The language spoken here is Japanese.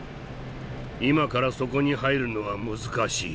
今からそこに入るのは難しい。